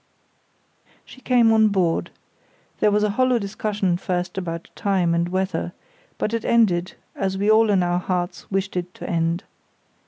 She came on board. There was a hollow discussion first about time and weather, but it ended as we all in our hearts wished it to end.